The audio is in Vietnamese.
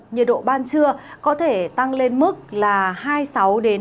nhiệt độ ban trưa có thể tăng lên mức là một mươi tám hai mươi độ c